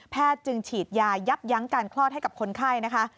จึงฉีดยายับยั้งการคลอดให้กับคนไข้นะคะ